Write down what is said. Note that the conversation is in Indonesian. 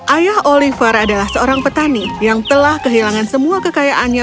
ayah oliver adalah seorang petani yang telah kehilangan semua kekayaannya